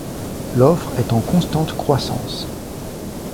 L'offre est en constante croissance.